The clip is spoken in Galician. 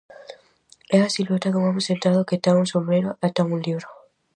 É a silueta dun home sentado que ten un sombreiro e ten un libro.